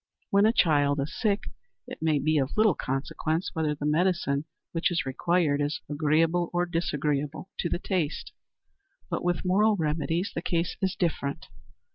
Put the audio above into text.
When a child is sick, it may be of little consequence whether the medicine which is required is agreeable or disagreeable to the taste. But with moral remedies the case is different.